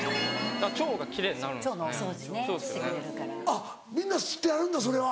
あっみんな知ってはるんだそれは。